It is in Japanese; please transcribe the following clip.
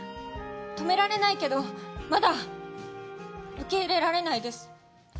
止められないけどまだ受け入れられないです。